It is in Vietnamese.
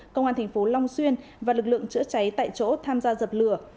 công an thành phố long xuyên và lực lượng chữa cháy tại chỗ tham gia dập lửa